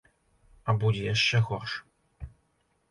А будзе яшчэ горш.